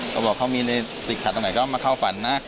ก็บอกเขามีอะไรติดขัดต่อใหม่ก็มาเข้าฝันนะ